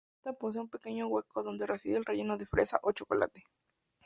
La galleta posee un pequeño hueco donde reside el relleno de fresa o chocolate.